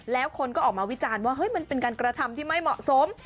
แล้วคนก็ออกมาวิจารณ์ว่าเฮ้ยมันเป็นการกระทำที่ไม่เหมาะสม